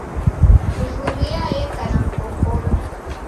Sufuria yeka na mkokolo.